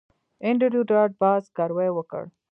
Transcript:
انډریو ډاټ باس زګیروی وکړ